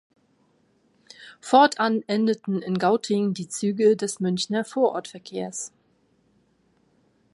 Fortan endeten in Gauting die Züge des Münchner Vorortverkehrs.